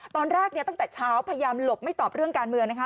ตอนแรกเนี่ยตั้งแต่เช้าพยายามหลบไม่ตอบเรื่องการเมืองนะคะ